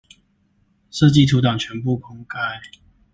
設計圖檔全部公開